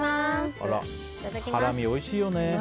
ハラミ、おいしいよね。